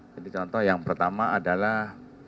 jadi contoh yang pertama adalah